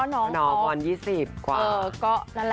น้องน้อง๒๐ประมาณ